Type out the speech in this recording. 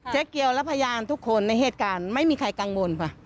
เกียวและพยานทุกคนในเหตุการณ์ไม่มีใครกังวลค่ะ